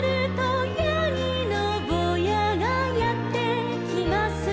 「やぎのぼうやがやってきます」